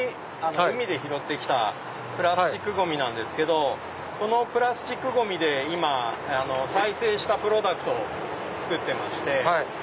海で拾って来たプラスチックゴミなんですけどこのプラスチックゴミで再生したプロダクト作ってまして。